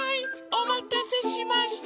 おまたせしました。